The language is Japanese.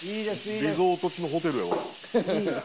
リゾート地のホテルやわ。